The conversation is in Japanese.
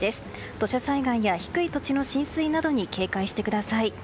土砂災害や低い土地の浸水などに警戒してください。